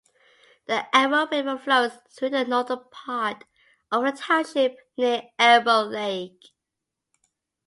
The Elbow River flows through the northern part of the township near Elbow Lake.